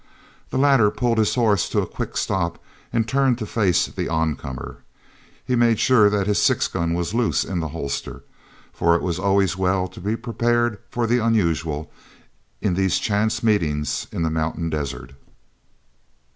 The latter pulled his horse to a quick stop and turned to face the on comer. He made sure that his six gun was loose in the holster, for it was always well to be prepared for the unusual in these chance meetings in the mountain desert.